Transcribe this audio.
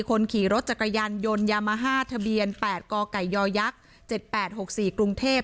คนขี่รถจักรยานยนต์ยามาฮ่าทะเบียน๘กกย๗๘๖๔กรุงเทพ